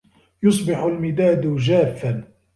يُصْبِحُ الْمِدَادُ جَافًّا.